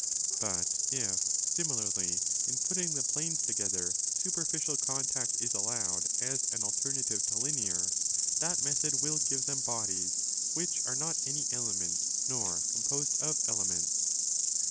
But if, similarly, in putting the planes together, superficial contact is allowed as an 30 alternative to linear, that method will give them bodies which are not any element nor composed of elements.